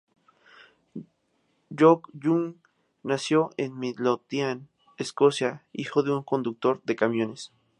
Jock Young nació en Midlothian, Escocia, hijo de un conductor de camiones.